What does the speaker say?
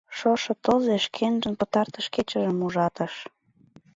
Шошо тылзе шкенжын пытартыш кечыжым ужатыш.